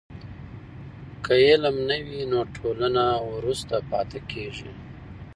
که علم نه وي نو ټولنه وروسته پاتې کېږي.